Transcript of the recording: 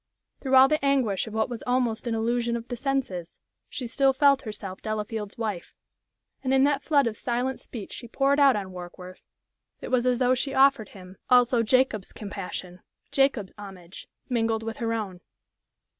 Through all the anguish of what was almost an illusion of the senses, she still felt herself Delafield's wife. And in that flood of silent speech she poured out on Warkworth, it was as though she offered him also Jacob's compassion, Jacob's homage, mingled with her own.